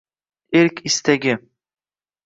Erk istagi